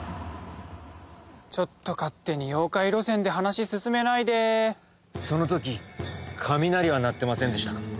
ちょっと勝手に妖怪路線で話進めないでその時雷は鳴ってませんでしたか？